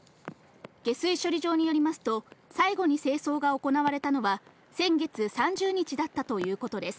下水処理場によりますと、最後に清掃が行われたのは、先月３０日だったということです。